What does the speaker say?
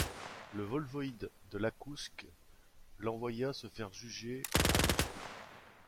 Le voïvode de Iakoutsk l'envoya se faire juger à Moscou.